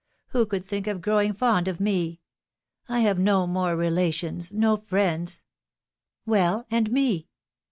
Who could think of growing fond of me? I have no more relations — no friends —" Well, and me?"